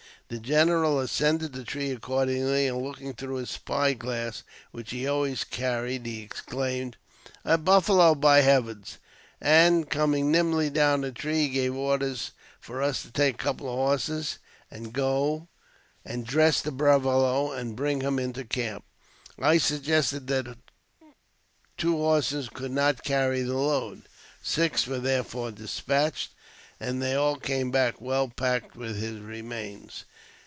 The general ascended the tree accordingly, and looking through his spy glass, which he always carried, he exclaimed, " A buffalo, by heavens !" and, coming nimbly down the tree, he gave orders for us to take a couple of horses, and go and dress the buffalo, and bring him into camp. I suggested that two horses could not carry the load ; six were therefore despatched, and they all came back well packed with his remains.